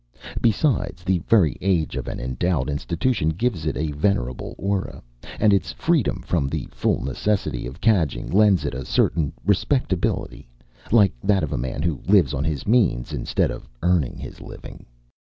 Besides, the very age of an endowed institution gives it a venerable ora; and its freedom from the full necessity of "cadging" lends it a certain "respectability" like that of a man who lives on his means, instead of earning his living.